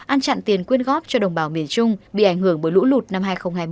ăn chặn tiền quyên góp cho đồng bào miền trung bị ảnh hưởng bởi lũ lụt năm hai nghìn hai mươi